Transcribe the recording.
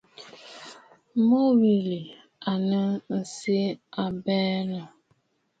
Mû wilì à nɨ tsiʼ ì àbə̀rə̀.